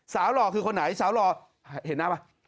สาวหล่อคือคนไหนสาวหล่อภูมิค่ะเห็นหน้าป่ะ